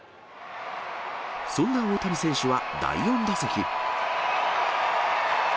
そんな大谷選手は第４打席。